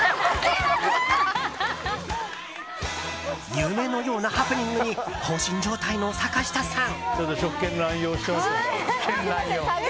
夢のようなハプニングに放心状態の坂下さん。